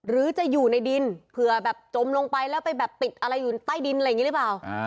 รือจะอยู่ในดินเผื่อจมลงไปไปปิดอะไรอยู่ใต้ดินอะไรเงี้ยรึเปล่า